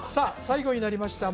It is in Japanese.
最後になりました